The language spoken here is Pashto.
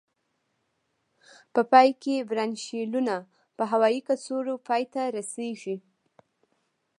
په پای کې برانشیولونه په هوایي کڅوړو پای ته رسيږي.